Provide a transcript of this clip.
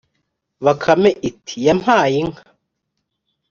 bakame iti yampaye inka!